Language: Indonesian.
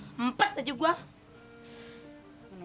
hah empet aja gue